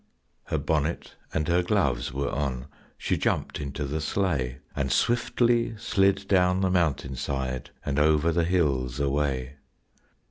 Her bonnet and her gloves were on, she jumped into the sleigh, And swiftly slid down the mountain side and over the hills away.